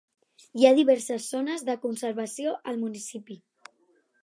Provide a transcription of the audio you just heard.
Hi ha diverses zones de conservació al municipi.